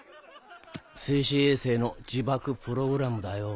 静止衛星の自爆プログラムだよ。